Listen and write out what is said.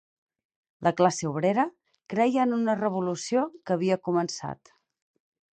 La classe obrera creia en una revolució que havia començat